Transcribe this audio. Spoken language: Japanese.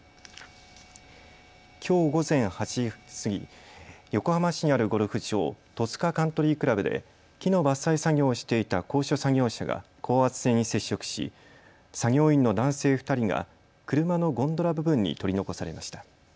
きょう午前８時過ぎ、横浜市にあるゴルフ場、戸塚カントリー倶楽部で木の伐採作業をしていた高所作業車が高圧線に接触し、作業員の男性２人が車のゴンドラ部分に取り残されました。